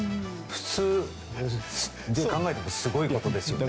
普通に考えてすごいことですよね。